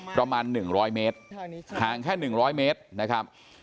ประมาณหนึ่งร้อยเมตรห่างแค่หนึ่งร้อยเมตรนะครับ